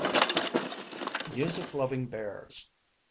MUSIC LOVING BEARS.